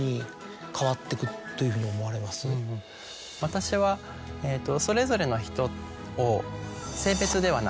私はそれぞれの人を。